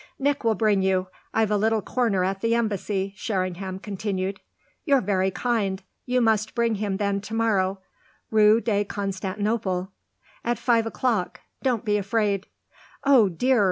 "Nick will bring you. I've a little corner at the embassy," Sherringham continued. "You're very kind. You must bring him then to morrow Rue de Constantinople." "At five o'clock don't be afraid." "Oh dear!"